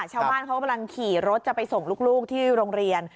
ชาวบ้านเขากำลังขี่รถจะไปส่งลูกที่โรงเรียน